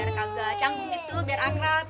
biar kagak canggih gitu biar akrab